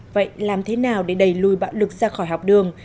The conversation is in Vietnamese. vậy làm thế nào để đẩy lùi bạo lực ra khỏi học đường